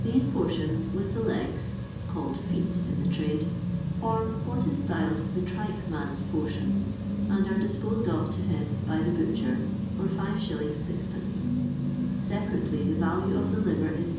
These portions, with the legs (called " feet " in the trade), form what is styled the tripe man's portion, and are disposed of to him by the butcher for bt, Qd, Separately, the value of the liver is 8<£.